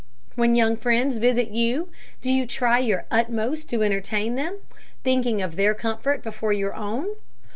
When young friends visit you, do you try your utmost to entertain them, thinking of their comfort before your own?